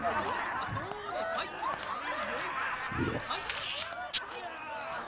よし。